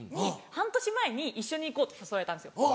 半年前に一緒に行こうって誘われたんですよ。